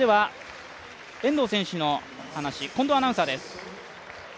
遠藤選手の話、近藤アナウンサーです。